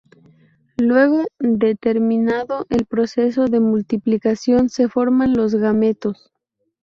Luego de terminado el proceso de multiplicación, se forman los gametos.